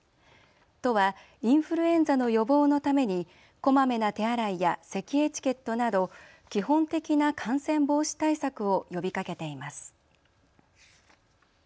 都はインフルエンザの予防のためにこまめな手洗いやせきエチケットなど基本的な感染防止対策を呼びかけています。